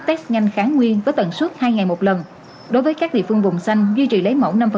test nhanh kháng nguyên với tần suất hai ngày một lần đối với các địa phương vùng xanh duy trì lấy mẫu năm